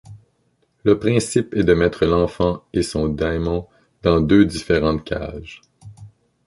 Le principe est de mettre l'enfant et son dæmon dans deux différentes cages.